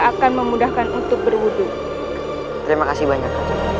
akan memudahkan untuk berwudhu terima kasih banyak